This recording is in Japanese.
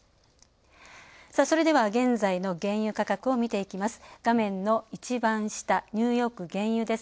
それでは現在の原油価格を見ていきます。